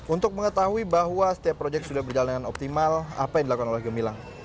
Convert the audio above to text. untuk mengetahui bahwa setiap proyek sudah berjalan dengan optimal apa yang dilakukan oleh gemilang